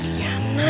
jadi kamu tapi